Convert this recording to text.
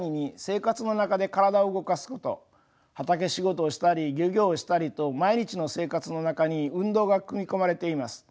畑仕事をしたり漁業をしたりと毎日の生活の中に運動が組み込まれています。